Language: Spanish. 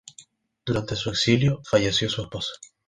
Durante su exilio falleció su esposa.